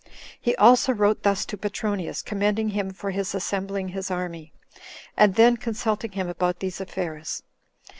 He also wrote thus to Petronius, commending him for his assembling his army, and then consulting him about these affairs.